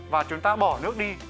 và chúng ta bỏ nước đi